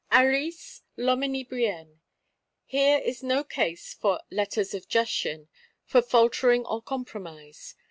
Arise, Loménie Brienne: here is no case for "Letters of Jussion;" for faltering or compromise.